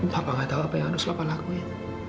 bapak gak tahu apa yang harus bapak lakuin